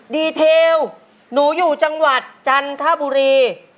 เทลหนูอยู่จังหวัดจันทบุรี